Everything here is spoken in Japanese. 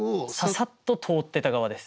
ささっと通ってた側です。